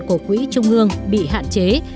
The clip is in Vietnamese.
của quỹ trung ương bị hạn chế